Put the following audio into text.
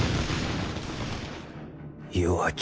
弱き